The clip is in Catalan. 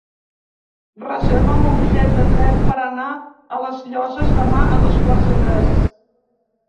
Reserva'm un bitllet de tren per anar a les Llosses demà a dos quarts de tres.